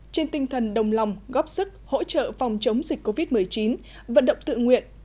trên tinh thần đồng lòng góp sức hỗ trợ phòng chống dịch covid một mươi chín vận động tự nguyện